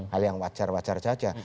hal yang wajar wajar saja